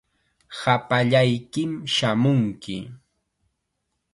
Hapallaykim shamunki.